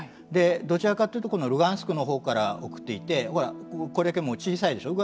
どちらかというとルハンシクのほうから送っていてこれだけ小さいでしょう。